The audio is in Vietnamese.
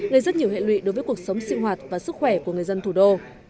gây rất nhiều hệ lụy đối với cuộc sống sinh hoạt và sức khỏe của người dân thủ đô